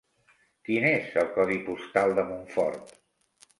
Quin és el codi postal de Montfort?